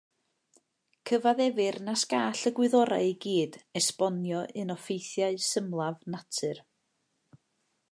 Cyfaddefir nas gall y gwyddorau i gyd esbonio un o ffeithiau symlaf natur.